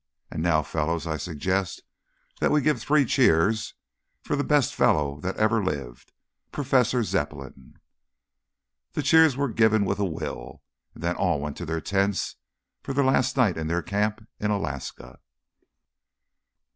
And now, fellows, I suggest that we give three cheers for the best fellow that ever lived, Professor Zepplin!" The cheers were given with a will, then all went to their tents for their last night in their camp in Alaska.